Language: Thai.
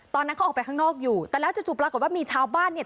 ตอนนั้นเขาออกไปข้างนอกอยู่แต่แล้วจู่ปรากฏว่ามีชาวบ้านเนี่ย